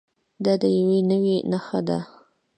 دا د یوې نوعې نښه ده.